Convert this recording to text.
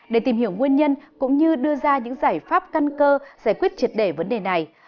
để tìm hiểu nguyên nhân cũng như đưa ra những giải pháp căn cơ giải quyết triệt để vấn đề này